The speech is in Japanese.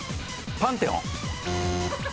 「パンテオン」！